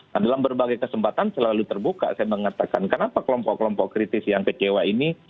nah dalam berbagai kesempatan selalu terbuka saya mengatakan kenapa kelompok kelompok kritis yang kecewa ini